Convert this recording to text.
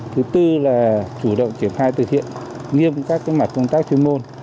thứ tư là chủ động triển khai thực hiện nghiêm các mặt công tác chuyên môn